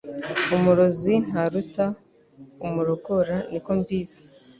Umurozi ntaruta umurogora niko mbizi